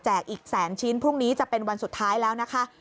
อีกแสนชิ้นพรุ่งนี้จะเป็นวันสุดท้ายแล้วนะคะ